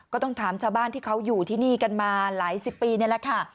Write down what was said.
ก็ต้องถามชาวบ้านที่เขาอยู่ที่นี่กันมาหลายสิบปีนี่แหละค่ะ